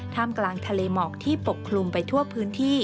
กลางทะเลหมอกที่ปกคลุมไปทั่วพื้นที่